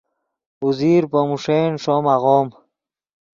اوزیر پے موݰین ݰوم آغوم